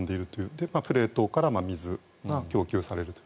で、プレートから水が供給されるという。